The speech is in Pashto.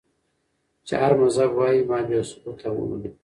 چې هر مذهب وائي ما بې ثبوته اومنه